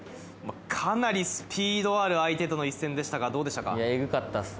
かなりスピードある相手との一戦でしたがどうでしたか？